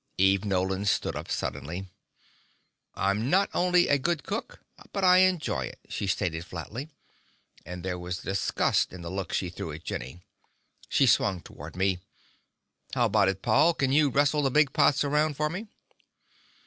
Eve Nolan stood up suddenly. "I'm not only a good cook, but I enjoy it," she stated flatly, and there was disgust in the look she threw at Jenny. She swung toward me. "How about it, Paul, can you wrestle the big pots around for me?"